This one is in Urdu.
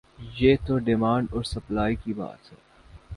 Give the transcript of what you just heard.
یہ تو ڈیمانڈ اور سپلائی کی بات ہے۔